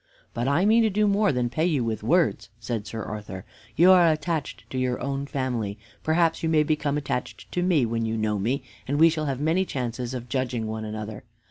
"But I mean to do more than pay you with words," said Sir Arthur. "You are attached to your own family, perhaps you may become attached to me, when you know me, and we shall have many chances of judging one another.